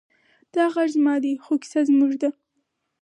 دا غږ زما دی، خو کیسه زموږ ده.